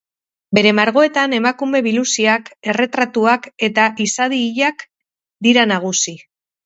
Bere margoetan emakume biluziak, erretratuak eta izadi hilak dira nagusi.